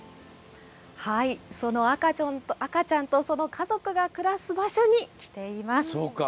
その赤ちゃんとその家族が暮らす場所に来ています。